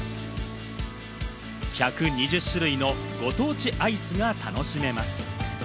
１２０種類のご当地アイスが楽しめます。